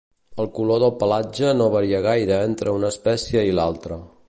El color del pelatge no varia gaire entre una espècie i l'altra.